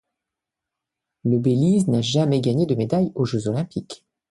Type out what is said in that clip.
Le Belize n'a jamais gagné de médailles aux Jeux olympiques.